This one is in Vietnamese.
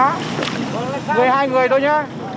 người hai người thôi nhá